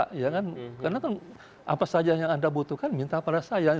karena apa saja yang anda butuhkan minta pada saya